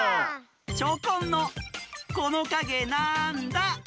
チョコンの「このかげなんだ？」。